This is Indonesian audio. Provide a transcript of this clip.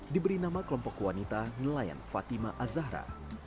diberi nama kelompok wanita nelayan fatima azahra